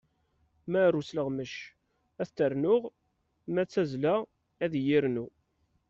Ma ar usleɣmec, ad t-ternuɣ. Ma d tazzla, ad iyi-rnu.